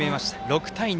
６対２。